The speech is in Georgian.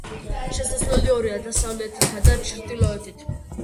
შესასვლელი ორია: დასავლეთითა და ჩრდილოეთით.